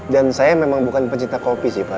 dan saya memang bukan pecinta kopi sih pak